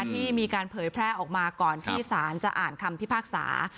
ที่มีการเผยแพร่ออกมาก่อนที่ศาลจะอ่านคำพิพากษา